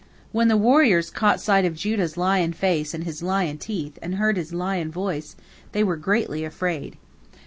When the warriors caught sight of Judah's lion face and his lion teeth, and heard his lion voice, they were greatly afraid.